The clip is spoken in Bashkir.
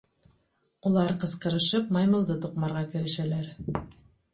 Улар ҡысҡырышып маймылды туҡмарға керешәләр.